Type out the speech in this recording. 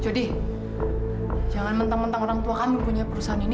jangan mentang mentang orang tua kami punya perusahaan ini